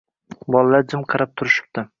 Bollar jim qarab turishibdi...